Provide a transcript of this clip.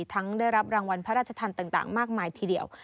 ได้รับรางวัลพระราชทันต่างมากมายทีเดียว